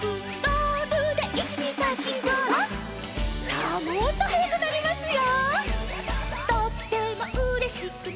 さあもっとはやくなりますよ。